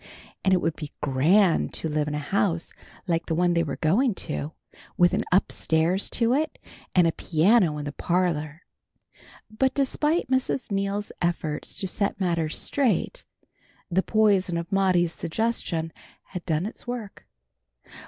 And it would be grand to live in a house like the one they were going to, with an up stairs to it, and a piano in the parlor. But despite Mrs. Neal's efforts to set matters straight, the poison of Maudie's suggestion had done its work.